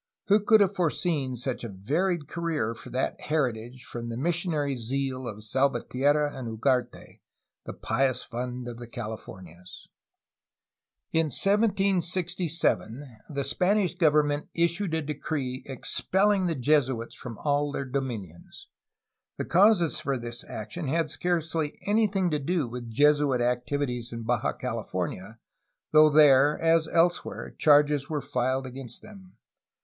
Who could have foreseen such a varied career for that heritage from the missionary zeal of Salvatierra and Ugarte, the Pious Fund of the Cahfomias! In 1767 the Spanish government issued a decree expelKng the Jesuits from all of their dominions. The causes for this 184 A HISTORY OF CALIFORNIA action had scarcely anything to do with Jesuit activities in Baja Cahfornia, though there as elsewhere charges were filed against them.